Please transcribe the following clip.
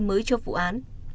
mới cho vụ án